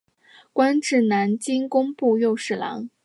官至南京工部右侍郎。